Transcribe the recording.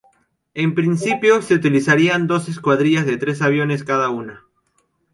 En principio se utilizarían dos escuadrillas de tres aviones cada una.